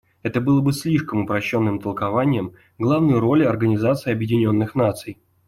Это бы было слишком упрощенным толкованием главной роли Организации Объединенных Наций.